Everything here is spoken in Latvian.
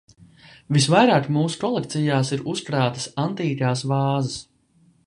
Visvairāk mūsu kolekcijās ir uzkrātas antīkās vāzes.